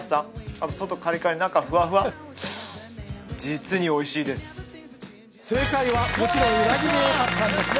あと外カリカリ中フワフワ実においしいです正解はもちろん「うなぎ」でよかったんです